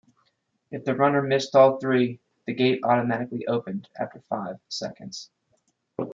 If the runner missed all three, the gate automatically opened after five seconds.